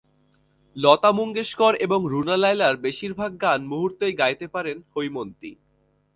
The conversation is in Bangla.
লতা মুঙ্গেশকর এবং রুনা লায়লার বেশির ভাগ গান মুহূর্তেই গাইতে পারেন হৈমন্তী।